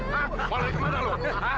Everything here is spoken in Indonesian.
mau lari kemana lu